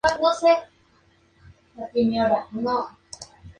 No obstante, hizo varias actuaciones en espectáculos a beneficio, siendo muy recordado.